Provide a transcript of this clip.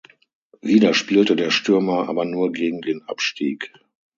Wieder spielte der Stürmer aber nur gegen den Abstieg.